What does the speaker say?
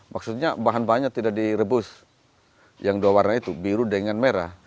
maksudnya bahan bahannya tidak direbus yang dua warna itu biru dengan merah